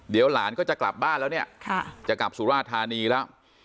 เดี๋ยวหลานก็จะกลับบ้านแล้วเนี่ยจะกลับสุราธานีแล้ว